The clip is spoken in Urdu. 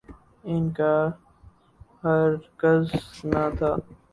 ان کا ہرگز نہ تھا۔